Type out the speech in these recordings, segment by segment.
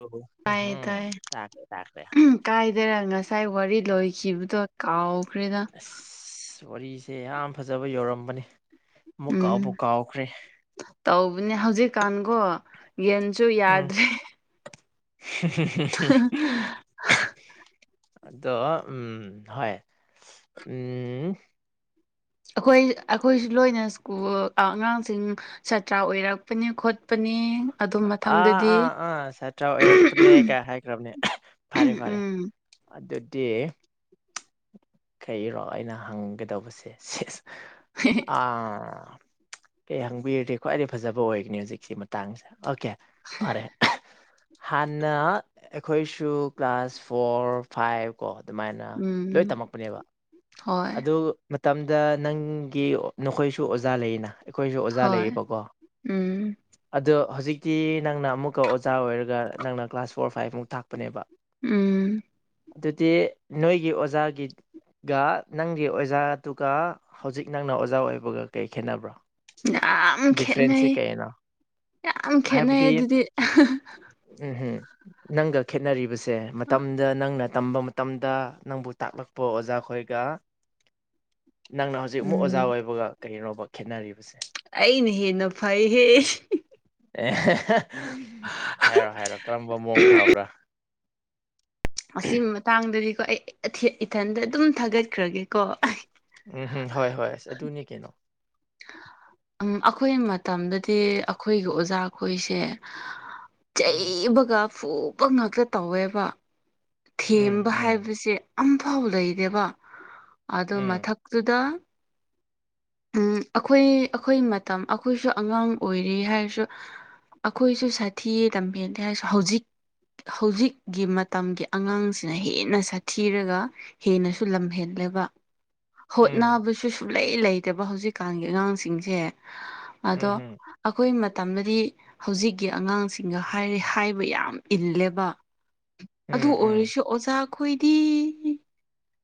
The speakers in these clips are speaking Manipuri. [unintelligible] ꯇꯥꯏꯌꯦ ꯎꯨꯍꯨ ꯇꯥꯏꯌꯦ ꯇꯥꯈ꯭ꯔꯦ ꯇꯥꯈ꯭ꯔꯦ ꯎꯝ ꯀꯥꯏꯗꯔ ꯉꯁꯥꯏ ꯋꯥꯔꯤ ꯂꯣꯏꯈꯤꯕꯗꯣ ꯀꯥꯎꯈ꯭ꯔꯦꯗ ꯑꯁ ꯋꯥꯔꯤꯁꯦ ꯌꯥꯝ ꯐꯖꯕ ꯌꯧꯔꯝꯕꯅꯦ ꯑꯃꯨꯛ ꯀꯥꯎꯕꯨ ꯎꯝ ꯀꯥꯎꯈ꯭ꯔꯦ ꯇꯧꯕꯅꯦ ꯍꯧꯖꯤꯛꯀꯥꯟꯀꯣ ꯌꯦꯟꯁꯨ ꯌꯥꯗ꯭ꯔꯦ ꯍꯨ ꯍꯥ ꯍꯥ ꯍ ꯍ ꯍꯥꯍ ꯑꯗꯣ ꯎꯝ ꯍꯣꯏ ꯎꯝ ꯑꯩꯈꯣꯏ ꯑꯩꯈꯣꯏꯁꯨ ꯂꯣꯏꯅ ꯁ꯭ꯀꯨꯜ ꯑꯉꯥꯡꯁꯤꯡ ꯁꯥꯇ꯭ꯔ ꯑꯣꯏꯔꯛꯄꯅꯦ ꯈꯣꯠꯄꯅꯦ ꯑꯥ ꯑꯥ ꯑꯥ ꯁꯥꯇ꯭ꯔ ꯑꯣꯏꯔꯛꯄꯅꯦ ꯀꯥ ꯍꯥꯏꯈ꯭ꯔꯕꯅꯦ ꯐꯔꯦ ꯐꯔꯦ ꯎꯝ ꯑꯗꯨꯗꯤ ꯈꯩꯔꯣ ꯑꯩꯅ ꯍꯪꯒꯗꯧꯕꯁꯦ ꯁꯤꯁ ꯑ ꯑꯩ ꯍꯪꯕꯤꯔꯗꯤ ꯈ꯭ꯋꯥꯏꯗꯒꯤ ꯐꯖꯕ ꯑꯣꯏꯒꯅꯤ ꯍꯧꯖꯤꯛꯁꯤ ꯃꯥ ꯇꯥꯡꯁꯦ ꯑꯣꯀꯦ ꯐꯔꯦ ꯍꯥꯟꯅ ꯑꯩꯈꯣꯏꯁꯨ ꯀ꯭ꯂꯥꯁ ꯐꯣꯔ ꯐꯥꯏꯚ ꯀꯣ ꯑꯗꯨꯃꯥꯏꯅ ꯂꯣꯏ ꯎꯝ ꯇꯝꯃꯛꯄꯅꯦꯕ ꯍꯣꯏ ꯑꯗꯨ ꯑꯗꯨ ꯃꯇꯝꯗ ꯅꯪꯒꯤ ꯅꯈꯣꯏꯁꯨ ꯑꯣꯖꯥ ꯂꯩꯌꯦꯅ ꯑꯩꯈꯣꯏꯁꯨ ꯑꯣꯖꯥ ꯍꯣꯏ ꯂꯩꯌꯦꯕꯀꯣ ꯎꯝ ꯑꯗꯣ ꯍꯧꯖꯤꯛꯇꯤ ꯅꯪꯅ ꯑꯃꯨꯛꯀ ꯑꯣꯖꯥ ꯑꯣꯏꯔꯒ ꯅꯪꯅ ꯀ꯭ꯂꯥꯁ ꯐꯣꯔ ꯐꯥꯏꯚꯃꯨꯛ ꯇꯥꯛꯄꯅꯦꯕ ꯎꯝ ꯑꯗꯨꯗꯤ ꯅꯣꯏꯒꯤ ꯑꯣꯖꯥꯒꯤ ꯒ ꯅꯪꯒꯤ ꯑꯣꯖꯥꯗꯨꯒ ꯍꯧꯖꯤꯛ ꯅꯪꯅ ꯑꯣꯖꯥ ꯑꯣꯏꯕꯒ ꯀꯩ ꯈꯦꯠꯅꯕ꯭ꯔꯣ ꯌꯥꯝ ꯗꯤꯐ꯭ꯔꯦꯟꯁꯁꯦ ꯈꯦꯠꯅꯩ ꯀꯩꯅꯣ ꯌꯥꯝ ꯈꯦꯠꯅꯩ ꯑꯗꯨꯗꯤ ꯑꯍꯥꯍ ꯎꯝꯍꯨ ꯅꯪꯒ ꯈꯦꯠꯅꯔꯤꯕꯁꯦ ꯃꯇꯝꯗ ꯅꯪꯅ ꯇꯝꯕ ꯇꯝꯗ ꯅꯪꯕꯨ ꯇꯥꯛꯂꯛꯄ ꯑꯣꯖꯥꯈꯣꯏꯒ ꯅꯪꯅ ꯍꯧꯖꯤꯛ ꯑꯃꯨꯛ ꯑꯣꯖꯥ ꯎꯝ ꯑꯣꯏꯕꯒ ꯀꯔꯤꯔꯣꯕ ꯈꯦꯠꯅꯔꯤꯕꯁꯦ ꯑꯩꯅ ꯍꯦꯟꯅ ꯐꯩꯍꯦ ꯑꯦ ꯍꯦ ꯍꯦ ꯍꯥꯏꯔꯣ ꯍꯥꯏꯔꯣ ꯀꯔꯝꯕ ꯃꯑꯣꯡ ꯐꯕ꯭ꯔꯥ ꯑꯁꯤ ꯃꯇꯥꯡꯗꯗꯤꯀꯣ ꯑꯩ ꯏꯊꯟꯗ ꯑꯗꯨꯝ ꯊꯥꯒꯠꯈ꯭ꯔꯒꯦꯀꯣ ꯎꯝ ꯍꯨꯝ ꯍꯣꯏ ꯍꯣꯏ ꯑꯗꯨꯅꯤ ꯀꯩꯅꯣ ꯎꯝ ꯑꯩꯈꯣꯏ ꯃꯇꯝꯗꯗꯤ ꯑꯩꯈꯣꯏꯒꯤ ꯑꯣꯖꯥꯈꯣꯏꯁꯦ ꯎꯝ ꯆꯩꯕꯒ ꯐꯨꯕ ꯉꯥꯛꯇ ꯇꯧꯋꯦꯕ ꯎꯝ ꯊꯦꯝꯕ ꯎꯝ ꯍꯥꯏꯕꯁꯦ ꯑꯝꯐꯥꯎ ꯂꯩꯗꯦꯕ ꯑꯗꯨ ꯎꯝ ꯃꯊꯛꯇꯨꯗ ꯎꯝ ꯑꯈꯣꯏ ꯑꯈꯣꯏ ꯃꯇꯝ ꯑꯈꯣꯏꯁꯨ ꯑꯉꯥꯡ ꯑꯣꯏꯔꯤ ꯍꯥꯏꯔꯁꯨ ꯑꯈꯣꯏꯁꯨ ꯁꯥꯊꯤ ꯂꯝꯍꯦꯜꯂꯤ ꯍꯥꯏꯔꯁꯨ ꯍꯧꯖꯤꯛ ꯍꯧꯖꯤꯛꯀꯤ ꯃꯇꯝꯒꯤ ꯑꯉꯥꯡꯁꯤꯅ ꯍꯦꯟꯅ ꯁꯥꯊꯤꯔꯒ ꯍꯦꯟꯅꯁꯨ ꯂꯝ ꯍꯦꯟꯂꯦꯕ ꯎꯝ ꯍꯣꯠꯅꯕꯁꯨ ꯁꯨꯡꯂꯩ ꯂꯩꯇꯕ ꯍꯧꯖꯤꯛꯀꯥꯟꯒꯤ ꯑꯉꯥꯡꯁꯤꯡꯁꯦ ꯑꯗꯣ ꯎꯝ ꯑꯩꯈꯣꯏ ꯃꯇꯝꯗꯗꯤ ꯍꯧꯖꯤꯛꯀꯤ ꯑꯉꯥꯡꯁꯤꯡꯒ ꯍꯥꯏꯔꯦ ꯍꯥꯏꯕ ꯌꯥꯝ ꯏꯜꯂꯦꯕ ꯎꯝ ꯑꯗꯨ ꯎꯝ ꯎꯝ ꯑꯣꯏꯔꯁꯨ ꯑꯣꯖꯥ ꯈꯣꯏꯗꯤ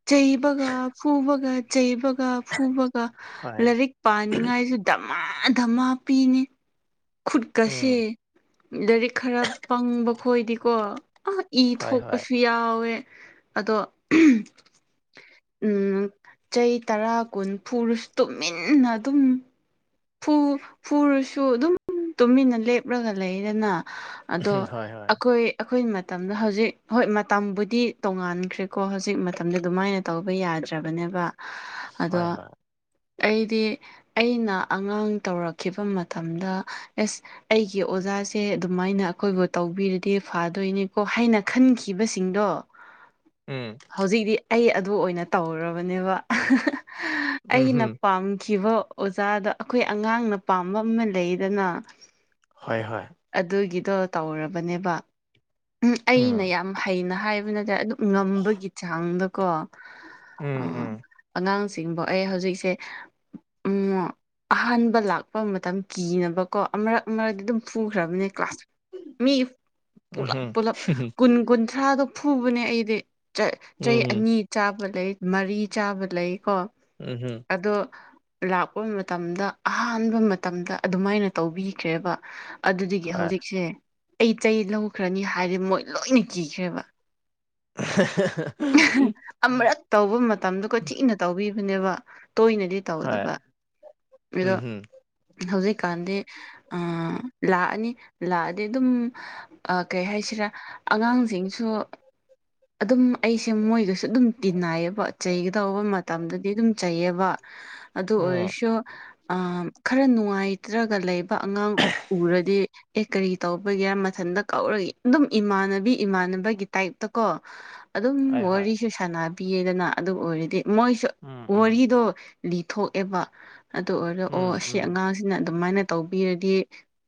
ꯆꯩꯕꯒ ꯐꯨꯕꯒ ꯆꯩꯕꯒ ꯐꯨꯕꯒ ꯍꯣꯏ ꯂꯥꯔꯤꯛ ꯄꯥꯅꯤꯡꯉꯥꯏꯖꯨ ꯙꯃꯥ ꯙꯃꯥ ꯄꯤꯅꯤ ꯈꯨꯠꯀꯁꯦ ꯎꯝ ꯂꯥꯏꯔꯤꯛ ꯈꯔ ꯄꯪꯕ ꯈꯣꯏꯗꯤꯀꯣ ꯏ ꯍꯣꯏ ꯍꯣꯏ ꯊꯣꯛꯄꯁꯨ ꯌꯥꯎꯋꯦ ꯑꯗꯣ ꯎꯝ ꯆꯩ ꯇꯔꯥ ꯀꯨꯟ ꯐꯨꯔꯁꯨ ꯇꯨꯃꯤꯟꯅ ꯑꯗꯨꯝ ꯐꯨ ꯐꯨꯔꯁꯨ ꯑꯗꯨꯝ ꯇꯨꯃꯤꯟꯅ ꯂꯦꯞꯔꯒ ꯂꯩꯗꯅ ꯑꯗꯣ ꯎꯝ ꯍꯣꯏ ꯍꯣꯏ ꯑꯈꯣꯏ ꯑꯈꯣꯏ ꯃꯇꯝꯗ ꯍꯧꯖꯤꯛ ꯍꯣꯏ ꯃꯇꯝꯕꯨꯗꯤ ꯇꯣꯡꯉꯥꯟꯈ꯭ꯔꯦꯀꯣ ꯍꯧꯖꯤꯛ ꯃꯇꯝꯗ ꯑꯗꯨꯃꯥꯏꯅ ꯇꯧꯕ ꯌꯥꯗ꯭ꯔꯕꯅꯦꯕ ꯑꯗꯣ ꯍꯣꯏ ꯍꯣꯏ ꯑꯩꯗꯤ ꯑꯩꯅ ꯑꯉꯥꯡ ꯇꯧꯔꯛꯈꯤꯕ ꯃꯇꯝꯗ ꯑꯦꯁ ꯑꯩꯒꯤ ꯑꯣꯖꯥꯁꯦ ꯑꯗꯨꯃꯥꯏꯅ ꯑꯩꯈꯣꯏꯕꯨ ꯇꯧꯕꯤꯔꯗꯤ ꯐꯥꯗꯣꯏꯅꯦꯀꯣ ꯍꯥꯏꯅ ꯈꯟꯈꯤꯕꯁꯤꯡꯗꯣ ꯎꯝ ꯍꯧꯖꯤꯛꯇꯤ ꯑꯩ ꯑꯗꯨ ꯑꯣꯏꯅ ꯇꯧꯔꯕꯅꯦꯕ ꯎꯝ ꯑꯩꯅ ꯍꯝ ꯄꯥꯝꯈꯤꯕ ꯑꯣꯖꯥꯗ ꯑꯈꯣꯏ ꯑꯉꯥꯡꯅ ꯄꯥꯝꯕ ꯑꯃ ꯂꯩꯗꯅ ꯍꯣꯏ ꯍꯣꯏ ꯑꯗꯨꯒꯤꯗꯣ ꯇꯧꯔꯕꯅꯦꯕ ꯎꯝ ꯑꯩꯅ ꯌꯥꯝ ꯍꯩꯅ ꯍꯥꯏꯕ ꯅꯠꯇꯦ ꯑꯗꯨ ꯉꯝꯕꯒꯤ ꯆꯥꯡꯗꯀꯣ ꯑ ꯎꯝ ꯎꯝ ꯑꯉꯥꯡ ꯆꯤꯡꯕꯣ ꯑꯩ ꯍꯧꯖꯤꯛꯁꯦ ꯎ ꯑꯍꯥꯟꯕ ꯂꯥꯛꯄ ꯃꯇꯝ ꯀꯤꯅꯕꯀꯣ ꯑꯃꯔꯛ ꯃꯔꯛꯇ ꯑꯗꯨꯝ ꯐꯨꯈ꯭ꯔꯕꯅꯦ ꯀ꯭ꯂꯥꯁ ꯃꯤ ꯄꯨꯂꯞ ꯎꯝꯍꯝ ꯄꯨꯂꯞ ꯀꯨꯟ ꯀꯨꯟꯊ꯭ꯔꯥꯗꯣ ꯐꯨꯕꯅꯦ ꯑꯩꯗꯤ ꯆꯩ ꯆꯩ ꯎꯝ ꯑꯅꯤ ꯆꯥꯕ ꯂꯩ ꯃꯔꯤ ꯆꯥꯕ ꯂꯩꯀꯣ ꯎꯝ ꯍꯨꯝ ꯑꯗꯣ ꯂꯥꯛꯄ ꯃꯠ ꯃꯇꯝꯗ ꯑꯍꯥꯟꯕ ꯃꯇꯝꯗ ꯑꯗꯨꯃꯥꯏꯅ ꯇꯧꯕꯤꯈ꯭ꯔꯦꯕ ꯑꯗꯨꯗꯒꯤ ꯍꯣꯏ ꯍꯧꯖꯤꯛꯁꯦ ꯑꯩ ꯆꯩ ꯂꯧꯈ꯭ꯔꯅꯤ ꯍꯥꯏꯗꯤ ꯃꯣꯏ ꯂꯣꯏꯅ ꯀꯤꯈ꯭ꯔꯦꯕ [unintelligible] ꯑꯃꯔꯛ ꯇꯧꯕ ꯃꯇꯝꯗꯨꯒ ꯊꯤꯅ ꯇꯧꯕꯤꯕꯅꯦꯕ ꯇꯣꯏꯅꯗꯤ ꯍꯣꯏ ꯇꯧꯗꯕ ꯃꯤꯗꯣ ꯎꯝꯍꯝ ꯍꯧꯖꯤꯛꯀꯥꯟꯗꯤ ꯑ ꯂꯥꯛꯑꯅꯤ ꯂꯥꯛꯑꯗꯤ ꯑꯗꯨꯝ ꯑ ꯀꯩ ꯍꯥꯏꯁꯤꯔꯥ ꯑꯉꯥꯡꯁꯤꯡꯁꯨ ꯑꯗꯨꯝ ꯑꯩꯁꯦ ꯃꯣꯏꯒꯁꯨ ꯑꯗꯨꯝ ꯇꯤꯟꯅꯥꯏꯌꯦꯕ ꯆꯩꯒꯗꯧꯕ ꯃꯇꯝꯗꯗꯤ ꯑꯗꯨꯝ ꯆꯩꯌꯦꯕ ꯑꯗꯨ ꯎꯝ ꯑꯣꯏꯔꯁꯨ ꯈꯔ ꯅꯨꯡꯉꯥꯏꯇ꯭ꯔꯒ ꯂꯩꯕ ꯑꯉꯥꯡ ꯎꯔꯗꯤ ꯑꯦ ꯀꯔꯤ ꯇꯧꯕꯒꯤꯔꯥ ꯃꯊꯟꯇ ꯀꯧꯔꯒ ꯑꯗꯨꯝ ꯏꯃꯥꯟꯅꯕꯤ ꯏꯃꯥꯟꯅꯕꯒꯤ ꯇꯥꯏꯞꯇ ꯀꯣ [inaudible] ꯑꯗꯨꯝ ꯍꯣꯏ ꯋꯥꯔꯤꯁꯨ ꯁꯥꯟꯅꯕꯤꯌꯦꯗꯅ ꯑꯗꯨꯝ ꯑꯣꯏꯔꯗꯤ ꯃꯣꯏꯁꯨ ꯎꯝ ꯎꯝ ꯋꯥꯔꯤꯗꯣ ꯂꯤꯊꯣꯛꯑꯦꯕ ꯑꯗꯨ ꯑꯣꯏꯔꯒ ꯑꯣ ꯎꯝ ꯁꯤ ꯎꯝ ꯑꯉꯥꯡ ꯁꯤꯅ ꯑꯗꯨꯃꯥꯏꯅ ꯇꯧꯕꯤꯔꯗꯤ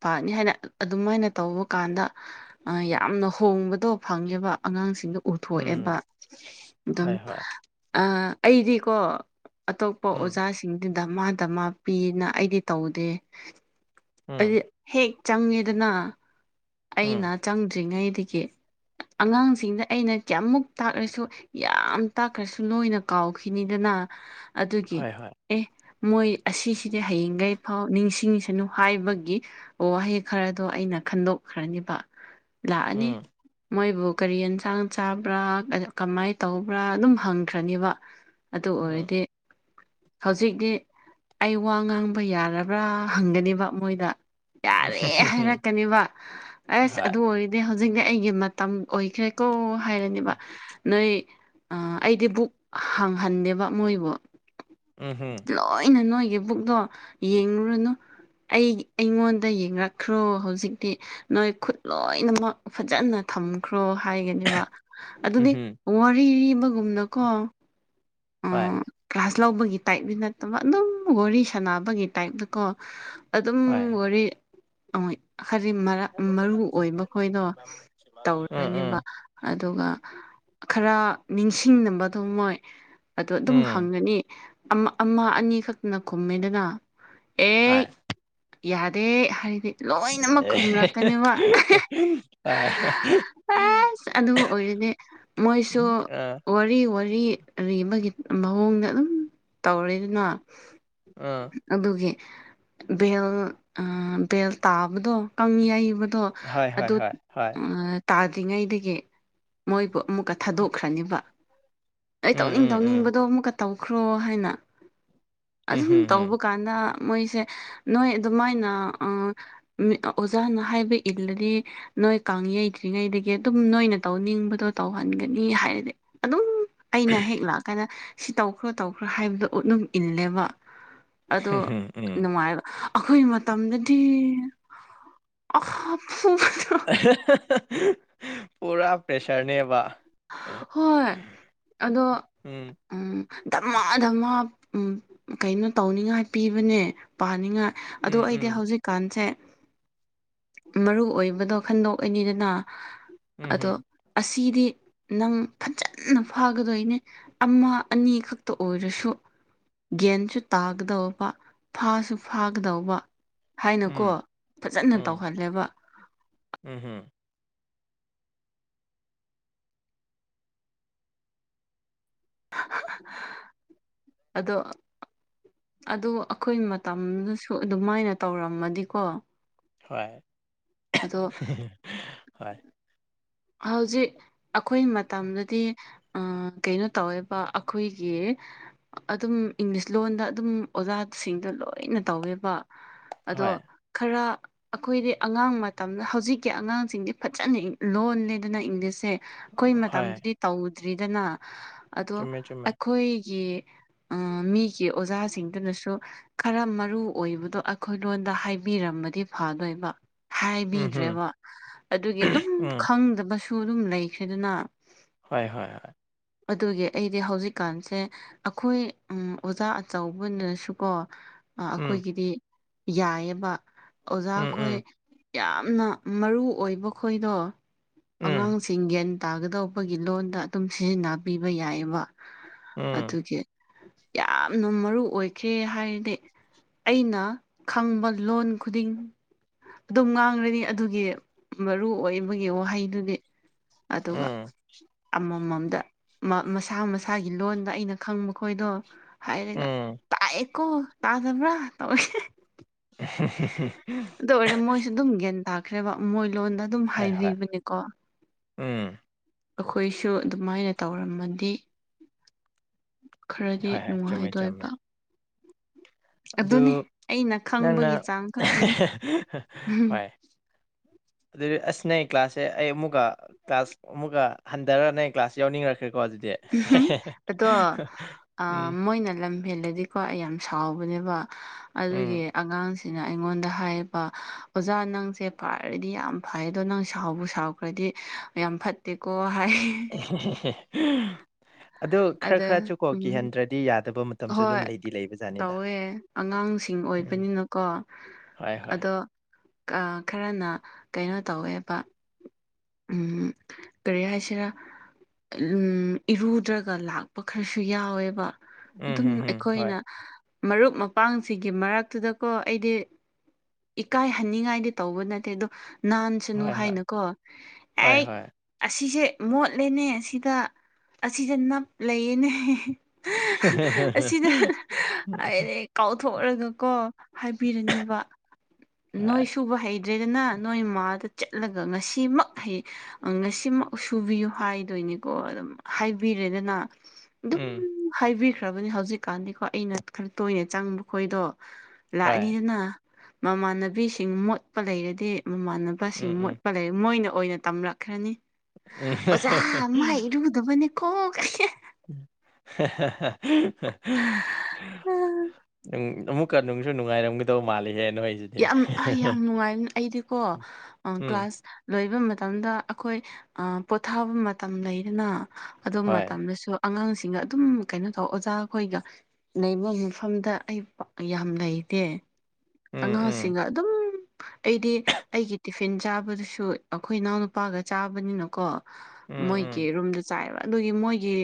ꯄꯅꯤ ꯍꯥꯏꯅ ꯑꯗꯨꯃꯥꯏꯅ ꯇꯧꯕ ꯀꯥꯟꯗ ꯑ ꯌꯥꯝꯅ ꯍꯣꯡꯕꯗꯣ ꯐꯪꯉꯦꯕ ꯑꯉꯥꯡꯁꯤꯡꯗ ꯎ ꯊꯣꯛꯑꯦꯕ ꯎꯝ ꯑꯗꯨꯝ ꯍꯣꯏ ꯍꯣꯏ ꯑ ꯑꯩꯗꯤꯀꯣ ꯑꯇꯣꯞꯄ ꯎꯝ ꯑꯣꯖꯥꯁꯤꯡꯗꯤ ꯙꯃꯥ ꯙꯃꯥ ꯄꯤꯅ ꯑꯩꯗꯤ ꯇꯧꯗꯦ ꯎꯝ ꯑꯩꯗꯤ ꯍꯦꯛ ꯆꯪꯉꯦꯗꯅ ꯑꯩꯅ ꯎꯝ ꯆꯪꯗ꯭ꯔꯤꯉꯩꯗꯒꯤ ꯑꯉꯥꯡꯁꯤꯡꯗ ꯑꯩꯅ ꯀ꯭ꯌꯥꯃꯨꯛ ꯇꯥꯛꯔꯁꯨ ꯌꯥꯝ ꯇꯥꯛꯈ꯭ꯔꯁꯨ ꯂꯣꯏꯅ ꯀꯥꯎꯈꯤꯅꯤꯗꯅ ꯑꯗꯨꯒꯤ ꯍꯣꯏ ꯍꯣꯏ ꯑꯦ ꯃꯣꯏ ꯑꯁꯤꯁꯤꯗꯤ ꯍꯌꯦꯡꯒꯩ ꯐꯥꯎ ꯅꯤꯡꯁꯤꯡꯁꯅꯨ ꯍꯥꯏꯕꯒꯤ ꯋꯥꯍꯩ ꯈꯔꯗꯣ ꯑꯩꯅ ꯈꯟꯗꯣꯛꯈ꯭ꯔꯅꯤꯕ ꯂꯥꯛꯑꯅꯤ ꯃꯣꯏꯕꯨ ꯀꯔꯤ ꯌꯦꯟꯁꯥꯡ ꯆꯥꯕ꯭ꯔꯥ [unintelligible] ꯀꯃꯥꯏ ꯇꯧꯕ꯭ꯔꯥ ꯑꯗꯨꯝ ꯍꯪꯈ꯭ꯔꯅꯤꯕ ꯑꯗꯨ ꯑꯣꯏꯔꯗꯤ ꯍꯧꯖꯤꯛꯇꯤ ꯑꯩ ꯋꯥ ꯉꯥꯡꯕ ꯌꯥꯔꯕ꯭ꯔꯥ ꯍꯪꯒꯅꯤꯕ ꯃꯣꯏꯗ ꯌꯥꯔꯦ ꯍꯥꯏꯔꯛꯀꯅꯦꯕ ꯑꯁ ꯑꯗꯨ ꯑꯣꯏ ꯗꯤ ꯍꯧꯖꯤꯛꯇꯤ ꯑꯩꯒꯤ ꯃꯇꯝ ꯑꯣꯏꯈ꯭ꯔꯦꯀꯣ ꯍꯥꯏꯔꯅꯤꯕ ꯅꯣꯏ ꯑꯥ ꯑꯩꯗꯤ ꯕꯨꯛ ꯍꯥꯡꯍꯟꯗꯦꯕ ꯃꯣꯏꯕꯨ ꯂꯣꯏꯅ ꯅꯣꯏꯒꯤ ꯕꯨꯛꯇꯣ ꯌꯦꯡꯉꯨꯔꯅꯨ ꯑꯩ ꯑꯩꯉꯣꯟꯗ ꯌꯦꯡꯔꯛꯈ꯭ꯔꯣ ꯍꯧꯖꯤꯛꯇꯤ ꯅꯣꯏ ꯈꯨꯠ ꯂꯣꯏꯅꯃꯛ ꯐꯖꯅ ꯊꯝꯈ꯭ꯔꯣ ꯍꯥꯏꯒꯅꯤꯕ ꯑꯗꯨꯗꯤ ꯋꯥꯔꯤ ꯂꯤꯕꯒꯨꯝꯅꯀꯣ ꯍꯣꯏ ꯎꯝ ꯀ꯭ꯂꯥꯁ ꯂꯧꯕꯒꯤ ꯇꯥꯏꯞꯗꯤ ꯅꯠꯇꯕ ꯑꯗꯨꯝ ꯋꯥꯔꯤ ꯁꯥꯟꯅꯕꯒꯤ ꯇꯥꯏꯞꯇꯀꯣ ꯑꯗꯨꯝ ꯋꯥꯔꯤ [unintelligible] ꯍꯥꯏꯗꯤ ꯃꯔꯥ ꯃꯔꯨ ꯑꯣꯏꯕ ꯈꯣꯏꯗꯣ ꯇꯧꯔꯅꯤꯕ ꯑꯗꯨꯒ ꯈꯔ ꯅꯤꯡꯁꯤꯡꯅꯕꯗꯨ ꯃꯣꯏ ꯑꯗꯨ ꯑꯗꯨꯝ ꯍꯪꯔꯅꯤ ꯑꯃ ꯑꯃ ꯑꯅꯤ ꯈꯛꯇꯅ ꯈꯨꯝꯃꯦꯗꯅ ꯑꯦ ꯍꯣꯏ ꯌꯥꯗꯦ ꯍꯥꯢꯗꯤ [unintelligible] ꯑꯁ ꯑꯗꯨ ꯑꯣꯏꯔꯗꯤ ꯃꯣꯏꯁꯨ ꯋꯥꯔꯤ ꯋꯥꯔꯤ ꯂꯤꯕꯒꯤ ꯃꯑꯣꯡꯗ ꯑꯗꯨꯝ ꯇꯧꯔꯦꯗꯅ ꯑꯥ ꯑꯗꯨꯒꯤ ꯕꯦꯜ ꯑꯥ ꯕꯦꯜ ꯇꯥꯕꯗꯣ ꯀꯪ ꯌꯩꯕꯗꯣ ꯑꯗꯨ ꯑ ꯇꯥꯗ꯭ꯔꯤꯉꯩꯗꯒꯤ ꯃꯣꯏꯕꯨ ꯑꯃꯨꯛꯀ ꯊꯥꯗꯣꯛꯈ꯭ꯔꯅꯤꯕ ꯅꯣꯏ ꯇꯧꯅꯤꯡ ꯕ ꯇꯧꯈ꯭ꯔꯣ ꯍꯥꯏꯅ ꯑꯗꯨꯝ ꯇꯧꯕ ꯀꯥꯟꯅ ꯃꯣꯏꯁꯦ ꯅꯣꯏ ꯑꯗꯨꯃꯥꯏꯅ ꯑꯥ [unintelligible] ꯑꯣꯖꯥꯅ ꯍꯥꯏꯕ ꯏꯜꯂꯗꯤ ꯅꯣꯏ ꯀꯥꯡ ꯌꯩꯗ꯭ꯔꯤꯉꯩꯗꯒꯤ ꯑꯗꯨꯝ ꯅꯣꯏꯅ ꯇꯧꯅꯤꯡꯕꯗꯣ ꯇꯧꯍꯟꯒꯅꯤ ꯍꯥꯏꯔꯗꯤ ꯑꯗꯨꯝ ꯑꯩꯅ ꯍꯦꯛ ꯂꯥꯛꯑꯀꯥꯟꯗ ꯁꯤ ꯇꯧꯈ꯭ꯔꯣ ꯇꯧꯈ꯭ꯔꯣ ꯍꯥꯏꯕꯗꯣ ꯎꯠꯅꯨꯝ ꯏꯜꯂꯦꯕ ꯑꯗꯣ ꯅꯨꯡꯉꯥꯏꯕ ꯑꯈꯣꯏ ꯃꯇꯝꯗꯗꯤ [unintelligible] [unintelligible] ꯄꯨꯔꯥ ꯄ꯭ꯔꯦꯁꯔꯅꯦꯕ ꯍꯣꯏ ꯑꯗꯣ ꯎꯝ ꯙꯃꯥ ꯙꯃꯥ ꯎꯝ ꯀꯩꯅꯣ ꯇꯧꯅꯤꯡꯉꯥꯏ ꯄꯤꯕꯅꯦ ꯄꯥꯅꯤꯡꯉꯥꯏ ꯑꯗꯣ ꯑꯩꯗꯤ ꯍꯧꯖꯤꯛ ꯀꯥꯟꯁꯦ ꯃꯔꯨ ꯑꯣꯏꯕꯗꯣ ꯈꯟꯗꯣꯛꯑꯅꯤꯗꯅ ꯑꯗꯣ ꯑꯁꯤꯗꯤ ꯅꯪ ꯐꯠꯖꯟꯅ ꯐꯥꯒꯗꯣꯏꯅꯦ ꯑꯃ ꯑꯅꯤ ꯈꯛꯇ ꯑꯣꯏꯔꯁꯨ ꯒ꯭ꯌꯟꯁꯨ ꯇꯥꯒꯗꯧꯕ ꯐꯥꯁꯨ ꯐꯥꯒꯗꯧꯕ ꯍꯥꯏꯅꯀꯣ ꯐꯖꯟꯅ ꯇꯧꯍꯜꯂꯦꯕ ꯎꯝ [unintelligible] [inaudible] ꯑꯗꯣ ꯑꯥ ꯑꯗꯨ ꯑꯈꯣꯏ ꯃꯇꯝꯗꯨꯁꯨ ꯑꯗꯨꯃꯥꯏꯅ ꯇꯧꯔꯝꯃꯗꯤꯀꯣ ꯍꯣꯏ ꯑꯗꯣ ꯍꯣꯏ ꯍꯧꯖꯤꯛ ꯑꯈꯣꯏ ꯃꯇꯝꯗꯗꯤ ꯑ ꯀꯩꯅꯣ ꯇꯧꯋꯦꯕ ꯑꯈꯣꯏꯒꯤ ꯑꯗꯨꯝ ꯏꯪꯂꯤꯁ ꯂꯣꯟꯗ ꯑꯗꯨꯝ ꯑꯣꯖꯥꯠꯁꯤꯡꯗꯣ ꯂꯣꯏꯅ ꯇꯧꯋꯦꯕ ꯑꯗꯣ ꯈꯔ ꯑꯈꯣꯏꯗꯤ ꯑꯉꯥꯡ ꯃꯇꯝꯗ ꯍꯧꯖꯤꯛꯀꯤ ꯑꯉꯥꯡꯁꯤꯡꯗꯤ ꯐꯖꯅ ꯏ ꯂꯣꯟ ꯑꯦꯗꯅ ꯏꯪꯂꯤꯁꯁꯦ ꯑꯈꯣꯏ ꯃꯇꯝꯗꯨꯗꯤ ꯇꯧꯗ꯭ꯔꯤꯗꯅ ꯑꯗꯣ ꯑꯩꯈꯣꯏꯒꯤ ꯎꯝ ꯃꯤꯒꯤ ꯑꯣꯖꯥꯁꯤꯡꯗꯨꯅꯁꯨ ꯈꯔ ꯃꯔꯨ ꯑꯣꯏꯕꯗꯣ ꯑꯈꯣꯏ ꯂꯣꯟꯗ ꯍꯥꯏꯕꯤꯔꯃꯗꯤ ꯐꯗꯣꯏꯕ ꯍꯥꯏꯕꯤꯗ꯭ꯔꯦꯕ ꯑꯗꯨꯒꯤ ꯑꯗꯨꯝ ꯈꯪꯗꯕꯁꯨ ꯑꯗꯨꯝ ꯂꯩꯈ꯭ꯔꯦꯗꯅ ꯍꯣꯏ ꯍꯣꯏ ꯍꯣꯏ ꯑꯗꯨꯒꯤ ꯑꯩꯗꯤ ꯍꯧꯖꯤꯛꯀꯥꯟꯁꯦ ꯑꯈꯣꯏ ꯎꯝ ꯑꯣꯖꯥ ꯑꯆꯧꯕꯅꯁꯨꯀꯣ ꯑ ꯑꯈꯣꯏꯒꯤꯗꯤ ꯌꯥꯏꯌꯦꯕ ꯑꯣꯖꯥ ꯈꯣꯏ ꯌꯥꯝꯅ ꯃꯔꯨ ꯑꯣꯏꯕ ꯈꯣꯏꯗꯣ ꯑꯉꯥꯡꯁꯤ ꯏꯪꯒ꯭ꯌꯥꯟ ꯇꯥꯒꯗꯧꯕꯒꯤ ꯂꯣꯟꯗ ꯑꯗꯨꯝ ꯁꯤꯖꯤꯟꯅꯄꯤꯕ ꯌꯥꯏꯌꯦꯕ ꯑꯗꯨꯒꯤ ꯌꯥꯝꯅ ꯃꯔꯨ ꯑꯣꯏꯈ꯭ꯔꯦ ꯍꯥꯏꯔꯗꯤ ꯑꯩꯅ ꯈꯪꯕ ꯂꯣꯟ ꯈꯨꯗꯤꯡ ꯑꯗꯨꯝ ꯉꯥꯡꯔꯅꯤ ꯑꯗꯨꯒꯤ ꯃꯔꯨ ꯑꯣꯏꯕꯒꯤ ꯋꯥꯍꯩꯗꯨꯗꯤ ꯑꯗꯨꯒ ꯑꯃꯃꯝ ꯗ ꯃ ꯃꯁꯥ ꯃꯁꯥꯒꯤ ꯂꯣꯟꯗ ꯑꯩꯅ ꯈꯪꯕ ꯈꯣꯏꯗꯣ ꯍꯥꯏꯔꯒ ꯇꯥꯛꯏ ꯀꯣ ꯇꯥꯗꯕ꯭ꯔꯥ ꯇꯧꯑꯦ ꯑꯗꯨ ꯑꯣꯏꯔ ꯃꯣꯏꯁꯨ ꯑꯗꯨꯝ ꯒ꯭ꯌꯥꯟ ꯇꯥꯈ꯭ꯔꯦꯕ ꯃꯣꯏ ꯂꯣꯟꯗ ꯑꯗꯨꯝ ꯍꯥꯏꯕꯤꯕꯅꯤꯀꯣ ꯎꯝ ꯑꯈꯣꯏꯁꯨ ꯑꯗꯨꯃꯥꯏꯅ ꯇꯧꯔꯝꯃꯗꯤ ꯈꯔꯗꯤ ꯆꯨꯝꯃꯦ ꯅꯨꯡꯉꯥꯏꯗꯣꯏꯕ ꯑꯗꯨ ꯑꯗꯨꯅꯦ ꯑꯩꯅ ꯅꯪꯅ ꯈꯪꯕꯒꯤ ꯆꯥꯡ ꯈꯛꯇꯅꯦ ꯎꯝ ꯍꯣꯏ ꯑꯗꯨꯗꯤ ꯑꯁ ꯅꯣꯢ ꯀ꯭ꯂꯥꯁꯁꯦ ꯑꯩ ꯑꯃꯨꯛꯀ ꯀ꯭ꯂꯥꯁ ꯑꯃꯨꯛꯒ ꯍꯟꯗꯔ ꯅꯩ ꯀ꯭ꯂꯥꯁ ꯌꯥꯎꯅꯤꯡꯉꯛꯈ꯭ꯔꯦꯀꯣ ꯑꯗꯨꯗꯤ ꯎꯝꯍꯨꯝ ꯑꯗꯣ ꯑꯥ ꯎꯝ ꯃꯣꯏꯅ ꯂꯝ ꯍꯦꯜꯂꯗꯤꯀꯣ ꯑꯩ ꯌꯥꯝ ꯁꯥꯎꯕꯅꯦꯕ ꯑꯗꯨꯒꯤ ꯎꯝ ꯑꯉꯥꯡꯁꯤꯅ ꯑꯩꯉꯣꯟꯗ ꯍꯥꯏꯌꯦꯕ ꯑꯣꯖꯥ ꯅꯪꯁꯦ ꯐꯔꯗꯤ ꯌꯥꯝ ꯐꯩ ꯑꯗꯣ ꯅꯪ ꯁꯥꯎꯕꯨ ꯁꯥꯎ ꯈ꯭ꯔꯗꯤ ꯌꯥꯝ ꯐꯠꯇꯦꯀꯣ ꯍꯥꯏ [unintelligible] ꯑꯗꯣ ꯈꯔ ꯑꯗ ꯈꯔꯆꯨ ꯀꯣ ꯎꯝ ꯀꯤꯍꯟꯗ꯭ꯔꯗꯤ ꯌꯥꯗꯕ ꯃꯇꯝꯁꯨ ꯑꯗꯨꯝ ꯍꯣꯏ ꯂꯩꯗꯤ ꯂꯩꯕ ꯖꯥꯠꯅꯤꯗ ꯇꯧꯋꯦ ꯑꯉꯥꯡꯁꯤꯡ ꯑꯣꯏꯕꯅꯤꯅꯀꯣ ꯍꯣꯢ ꯍꯣꯏ ꯀꯑꯥ ꯈꯔꯅ ꯀꯩꯅꯣ ꯇꯧꯋꯦꯕ ꯎꯝ ꯀꯔꯤ ꯍꯥꯏꯁꯤꯔꯥ ꯑꯎꯝ ꯏꯔꯨꯗ꯭ꯔꯒ ꯂꯥꯛꯄ ꯈꯔꯁꯨ ꯌꯥꯎꯋꯦꯕ ꯎꯝ ꯑꯗꯨꯝ ꯍꯝ ꯍꯝ ꯍꯣꯏ ꯑꯩꯈꯣꯏꯅ ꯃꯔꯨꯞ ꯃꯄꯥꯡꯁꯤꯒꯤ ꯃꯔꯛꯇꯨꯗꯀꯣ ꯑꯩꯗꯤ ꯏꯀꯥꯏꯍꯟꯅꯤꯡꯉꯥꯏꯗꯤ ꯇꯧꯕ ꯅꯠꯇꯦ ꯑꯗꯣ ꯅꯥꯟꯁꯅꯨ ꯍꯣꯏ ꯍꯣꯏ ꯍꯥꯏꯅꯀꯣ ꯍꯣꯏ ꯑꯩ ꯍꯣꯏ ꯑꯁꯤꯁꯦ ꯃꯣꯠꯂꯦꯅꯦ ꯑꯁꯤꯗ ꯑꯁꯤꯗ ꯅꯞ ꯂꯩꯌꯦꯅꯦ ꯑꯁꯤꯗ ꯍꯥꯏꯔꯦꯛ ꯀꯥꯎꯊꯣꯛꯔꯒꯀꯣ ꯍꯥꯏꯕꯤꯔꯅꯤꯕ ꯅꯣꯏ ꯁꯨꯕ ꯍꯩꯗ꯭ꯔꯦꯗꯅ ꯅꯣꯏ ꯃꯥꯗ ꯆꯠꯂꯒ ꯉꯁꯤꯃꯛ ꯉꯁꯤꯃꯛ ꯁꯨꯕꯤꯌꯨ ꯍꯥꯏꯗꯣꯏꯅꯤꯀꯣ ꯑꯗꯨꯝ ꯍꯥꯏꯕꯤꯔꯦꯗꯅ ꯑꯗꯨꯝ ꯍꯥꯏꯕꯤꯈ꯭ꯔꯕꯅꯦ ꯍꯧꯖꯤꯛꯀꯥꯟꯗꯤꯀꯣ ꯑꯩꯅ ꯈꯔ ꯇꯣꯏꯅꯦ ꯆꯪꯕ ꯈꯣꯏꯗꯣ ꯂꯥꯛꯑꯅꯤꯗꯅ ꯃꯃꯥꯟꯅꯕꯤꯁꯤꯡ ꯃꯣꯠꯄ ꯂꯩꯔꯗꯤ ꯃꯃꯥꯟꯅꯕꯁꯤꯡ ꯎꯝ. ꯃꯣꯠꯄ ꯃꯣꯏꯅ ꯑꯣꯏꯅ ꯇꯝꯔꯛꯈ꯭ꯔꯅꯤ ꯑꯣꯖꯥ ꯃꯥꯢ ꯏꯔꯨ ꯇꯕꯅꯦꯈꯣ ꯀꯥꯢ [unintelligible] ꯅꯪ ꯑꯃꯨꯛ ꯀ ꯅꯨꯡꯁꯨ ꯅꯨꯡꯉꯥꯏꯔꯝꯒꯗꯧ ꯃꯥꯜꯂꯤꯍꯦ ꯅꯣꯏꯖꯤ ꯌꯥꯝ ꯑ ꯌꯥꯝ ꯅꯨꯡꯉꯥꯏꯅ ꯑꯩꯗꯤꯀꯣ ꯑ ꯎꯝ ꯀ꯭ꯂꯥꯁ ꯂꯣꯏꯕ ꯃꯇꯝꯗ ꯑꯈꯣꯏ ꯑ ꯄꯣꯊꯥꯕ ꯃꯇꯝ ꯂꯩꯗꯅ ꯑꯗꯨ ꯍꯣꯏ ꯃꯇꯝꯗꯁꯨ ꯑꯉꯥꯡꯁꯤꯡꯒ ꯑꯗꯨꯝ ꯀꯩꯅꯣ ꯇꯧ ꯑꯣꯖꯥꯈꯣꯏꯒ ꯂꯩꯕ ꯃꯐꯝꯗ ꯑꯩ ꯌꯥꯝ ꯂꯩꯇꯦ ꯎꯝ ꯑꯉꯥꯡꯁꯤꯡꯒ ꯑꯗꯨꯝ ꯑꯩꯗꯤ ꯑꯩꯒꯤ ꯇꯤꯐꯤꯟ ꯆꯥꯕꯗꯁꯨ ꯑꯈꯣꯏ ꯏꯅꯥꯎꯅꯨꯄꯥꯒ ꯆꯥꯕꯅꯤꯅꯀꯣ ꯎꯝ ꯎꯝ ꯎꯝ ꯃꯣꯏꯒꯤ ꯔꯨꯝꯗ ꯆꯥꯏꯕ ꯑꯗꯨꯒꯤ ꯃꯣꯏꯒꯤ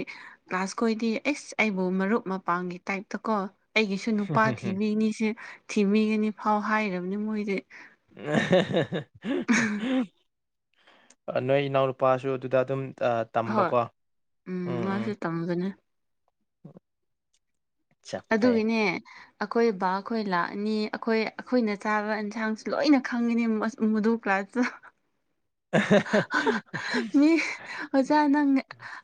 ꯀ꯭ꯂꯥꯁ ꯈꯣꯏꯗꯤ ꯏꯁ ꯑꯩꯕꯨ ꯃꯔꯨꯞ ꯃꯄꯥꯡꯒꯤ ꯇꯥꯏꯞꯇ ꯀꯣ ꯑꯩꯒꯤꯁꯨ ꯅꯨꯄꯥ ꯊꯤꯕꯤꯅꯤꯁꯦ ꯊꯤꯕꯤꯒꯅꯤ ꯐꯥꯎ ꯍꯥꯏꯔꯕꯅꯦ ꯃꯣꯏꯗꯤ [unintelligible] ꯅꯣꯏ ꯏꯅꯥꯎꯅꯨꯄꯥꯁꯨ ꯑꯗꯨꯗ ꯑꯗꯨꯝ ꯑ ꯍꯣꯏ ꯇꯝꯕꯀꯣ ꯎꯝ ꯎꯝ ꯇꯝꯕꯅꯦ ꯆꯞ ꯐꯩ ꯑꯗꯨꯒꯤꯅꯦ ꯑꯈꯣꯏ ꯕꯥ ꯈꯣꯏ ꯂꯥꯛꯑꯅꯤ ꯑꯈꯣꯏ ꯑꯈꯣꯏꯅ ꯆꯥꯕ ꯌꯦꯟꯁꯥꯡꯁꯨ ꯂꯣꯏꯅ ꯈꯪꯒꯅꯤ ꯃꯁ ꯃꯗꯨ ꯀ꯭ꯂꯥꯁꯇꯣ ꯑꯍꯥꯍꯥꯍꯥ ꯍꯥ ꯃꯤ ꯑꯣꯖꯥ ꯅꯪ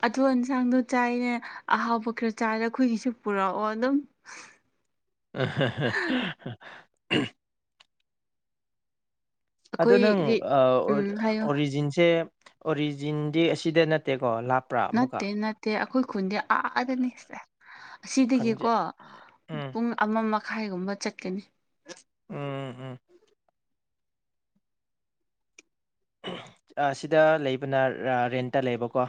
ꯑꯗꯨ ꯏꯟꯁꯥꯡꯗꯣ ꯆꯥꯏꯌꯦ ꯑꯍꯥꯎꯕ ꯈꯔ ꯆꯥꯏꯔ ꯑꯩꯈꯣꯏꯒꯤꯁꯨ ꯄꯨꯔꯛꯑꯣ ꯑꯗꯨꯝ [unintelligible] ꯑꯗꯣ ꯅꯪ ꯑꯩꯈꯣꯏꯗꯤ ꯑ ꯎꯝ ꯍꯥꯏꯌꯣ ꯑꯣꯔꯤꯖꯤꯟꯁꯦ ꯑꯣꯔꯤꯖꯤꯟꯗꯤ ꯑꯁꯤꯗ ꯅꯠꯇꯦꯀꯣ ꯂꯥꯞ ꯅꯠꯇꯦ ꯅꯠꯇꯦ ꯑꯈꯣꯏ ꯈꯨꯟꯗꯤ ꯑꯥꯗꯅꯤ ꯁꯦ ꯈꯟꯖꯦ ꯑꯁꯤꯗꯒꯤꯀꯣ ꯎꯝ ꯄꯨꯡ ꯑꯃ ꯃꯈꯥꯏꯒꯨꯝꯕ ꯆꯠꯀꯅꯤ ꯎꯝ ꯎꯝ ꯎꯝ ꯑ ꯁꯤꯗ ꯂꯩꯕꯅ ꯔ ꯔꯦꯟꯇ ꯂꯩꯕꯀꯣ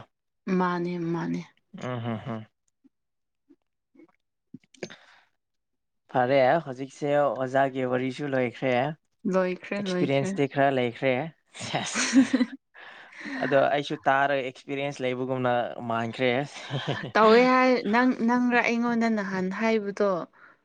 ꯃꯥꯅꯦ ꯃꯥꯅꯦ ꯎꯝ ꯍꯝꯍꯝ ꯐꯔꯦ ꯍꯧꯖꯤꯛꯁꯦ ꯑꯣꯖꯥꯒꯤ ꯋꯥꯔꯤꯁꯨ ꯂꯣꯏꯈ꯭ꯔꯦ ꯂꯣꯏꯈ꯭ꯔꯦ ꯂꯣꯏꯈ꯭ꯔꯦ ꯑꯦꯛꯁꯄꯤꯔꯤꯌꯦꯟꯁꯇꯤ ꯈꯔ ꯂꯩꯈ꯭ꯔꯦ ꯁꯦꯁ [unintelligible] ꯑꯗꯣ ꯑꯩꯁꯨ ꯇꯥꯔꯒ ꯑꯦꯛꯁꯄꯤꯔꯤꯌꯦꯟꯁ ꯂꯩꯕꯒꯨꯝꯅ ꯃꯥꯟꯈ꯭ꯔꯦ ꯇꯧꯋꯦ ꯍꯥꯏ ꯅꯪ ꯅꯪꯔ ꯑꯩꯉꯣꯟꯗ ꯅꯍꯥꯟ ꯍꯥꯏꯕꯗꯣ